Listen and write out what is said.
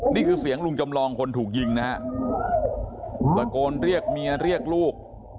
นี่คือเสียงลุงจำลองคนถูกยิงนะฮะตะโกนเรียกเมียเรียกลูก